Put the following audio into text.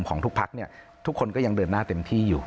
ของทุกพักเนี่ยทุกคนก็ยังเดินหน้าเต็มที่อยู่